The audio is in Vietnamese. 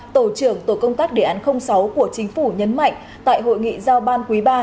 tổ trưởng tổ công tác đề án sáu của chính phủ nhấn mạnh tại hội nghị giao ban quý ba